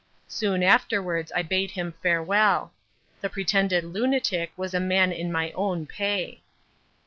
Soon afterwards I bade him farewell. The pretended lunatic was a man in my own pay."